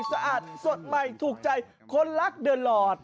สะอาดสดใหม่ถูกใจคนรักเดินหลอด